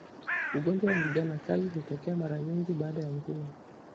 Ugonjwa wa ndigana kali hutokea mara nyingi baada ya mvua